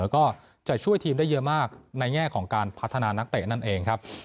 แล้วก็จะช่วยทีมได้เยอะมากในแง่ของการพัฒนานักเตะนั่นเองครับ